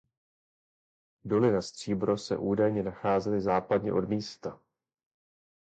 Doly na stříbro se údajně nacházely západně od Místa.